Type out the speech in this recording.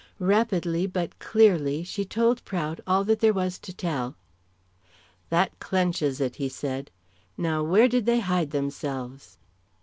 Rapidly, but clearly, she told Prout all that there was to tell. "That clenches it," he said. "Now where did they hide themselves?"